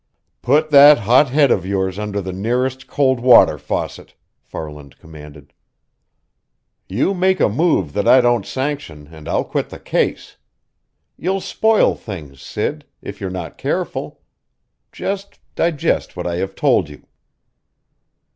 "Put that hot head of yours under the nearest cold water faucet!" Farland commanded. "You make a move that I don't sanction, and I'll quit the case! You'll spoil things, Sid, if you're not careful. Just digest what I have told you."